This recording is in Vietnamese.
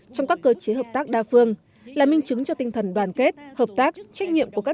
trong các cơ chế hợp tác đa phương là minh chứng cho tinh thần đoàn kết hợp tác trách nhiệm của các